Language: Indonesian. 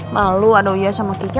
malu adoyah sama kikem